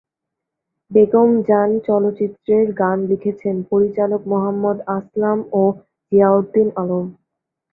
বেগম জান চলচ্চিত্রের গান লিখেছেন পরিচালক মোহাম্মদ আসলাম ও জিয়াউদ্দিন আলম।